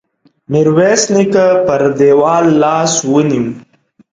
ميرويس نيکه پر دېوال لاس ونيو.